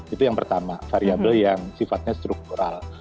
itu yang pertama variable yang sifatnya struktural